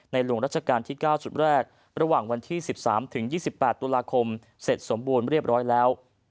หลวงรัชกาลที่๙ชุดแรกระหว่างวันที่๑๓๒๘ตุลาคมเสร็จสมบูรณ์เรียบร้อยแล้ว